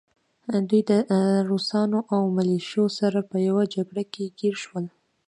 دوی د روسانو او ملیشو سره په يوه جګړه کې ګیر شول